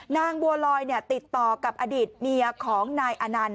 นางบัวลอยติดต่อกับอดีตเมียของนายอนันต